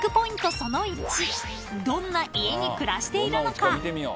その１どんな家に暮らしているのか］